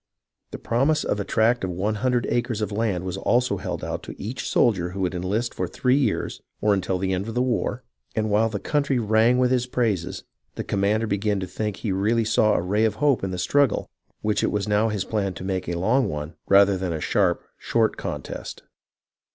The promise of a tract of one hundred acres of land was also held out to each soldier who would enlist for three years or until the end of the war ; and while the country rang with his praises, the commander began to think he really saw a ray of hope in the struggle which it was now his plan to make a long one rather than a sharp, short contest.